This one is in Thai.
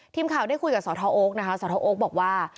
ทีมข่าวได้คุยกับสทโอ๊คนะคะสทโอ๊คบอกว่า